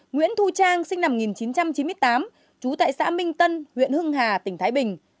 nguyễn thu trang sinh năm một nghìn chín trăm chín mươi tám trú tại xã minh tân huyện hưng hà tỉnh thái bình